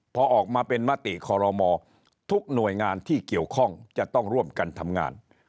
พอออกมาเป็นมติคอรมอทุกหน่วยงานที่เกี่ยวข้องจะต้องร่วมกันทำงาน